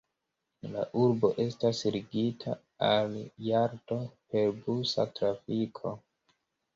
La urbo estas ligita al Jalto per busa trafiko.